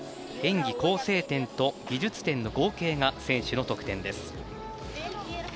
演技構成点と技術点の合計が選手の得点です。